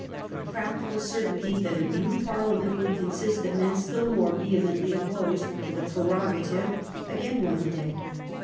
The practical certainty that a new Parliament would consist of men still more vehemently opposed to the prerogative again won the day.